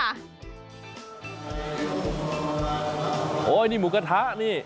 โอ้โหนี่หมูกระทะนี่